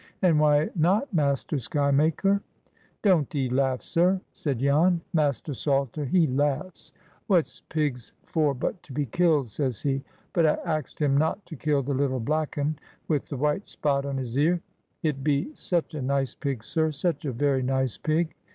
"And why not, Master Skymaker?" "Don't 'ee laugh, sir," said Jan. "Master Salter he laughs. 'What's pigs for but to be killed?' says he. But I axed him not to kill the little black un with the white spot on his ear. It be such a nice pig, sir, such a very nice pig!"